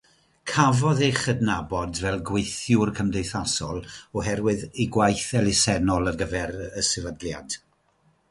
Cafodd ei chydnabod fel gweithiwr cymdeithasol oherwydd ei gwaith elusennol ar gyfer y sefydliad.